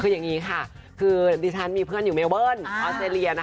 คือยังไงค่ะคือดิสาณมีเพื่อนอยู่เมลบิลออสเตรเลีย